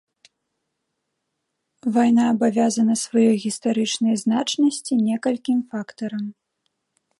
Вайна абавязана сваёй гістарычнай значнасці некалькім фактарам.